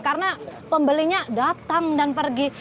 karena pembelinya datang dan pergi